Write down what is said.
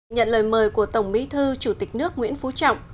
nhận lời mời của tổng bí thư chủ tịch nước nguyễn phú trọng